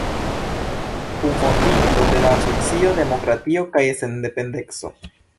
Kunfondinto de la asocio Demokratio kaj sendependeco.